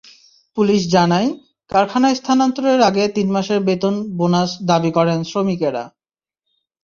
Police জানায়, কারখানা স্থানান্তরের আগে তিন মাসের বেতন-বোনাস দাবি করেন শ্রমিকেরা।